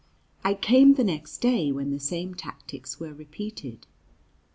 I came the next day, when the same tactics were repeated.